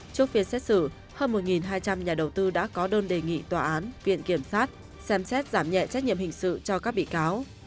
trước phiên xét xử hơn một hai trăm linh nhà đầu tư đã có đơn đề nghị tòa án viện kiểm sát xem xét giảm nhẹ trách nhiệm hình sự cho các bị cáo